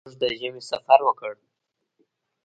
موږ د ژمي سفر وکړ.